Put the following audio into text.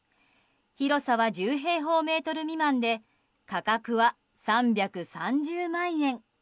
広さは１０平方メートル未満で価格は３３０万円。